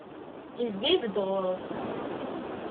Izga ibedd ɣur-s.